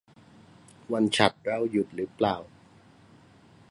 วันฉัตรเราหยุดรึเปล่า